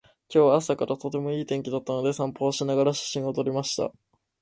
今日は朝からとてもいい天気だったので、散歩をしながら写真を撮りました。